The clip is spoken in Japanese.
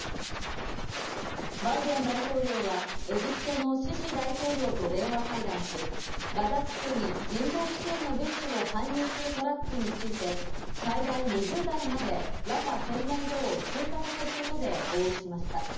バイデン大統領はエジプトのシシ大統領と電話会談し、ガザ地区に人道支援の物資を搬入するトラックについて、最大２０台までラファ検問所を通過させることで合意しました。